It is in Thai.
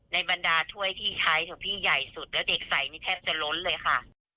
บรรดาถ้วยที่ใช้หลวงพี่ใหญ่สุดแล้วเด็กใส่นี่แทบจะล้นเลยค่ะ